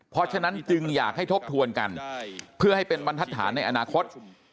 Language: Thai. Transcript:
เพราะฉะนั้นจึงอยากให้ทบทวนกันเพื่อให้เป็นบรรทัศนในอนาคต